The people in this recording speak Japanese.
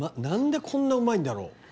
何でこんなうまいんだろう？